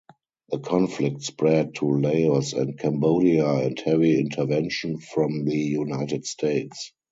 The conflict spread to Laos and Cambodia and heavy intervention from the United States.